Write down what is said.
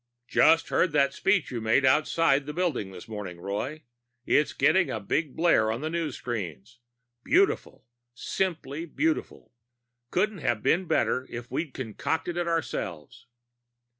"Just heard that speech you made outside the building this morning, Roy. It's getting a big blare on the newsscreens. Beautiful! Simply beautiful! Couldn't have been better if we'd concocted it ourselves."